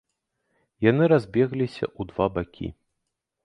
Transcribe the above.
Яны разбегліся ў два бакі.